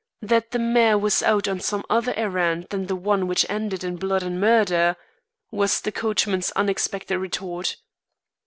That the mare was out on some other errand than the one which ended in blood and murder," was the coachman's unexpected retort.